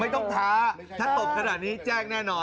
ต้องท้าถ้าตบขนาดนี้แจ้งแน่นอน